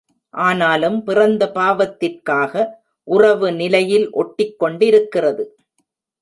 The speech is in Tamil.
ஆனாலும் பிறந்த பாவத்திற்காக உறவு நிலையில் ஒட்டிக் கொண்டிருக்கிறது.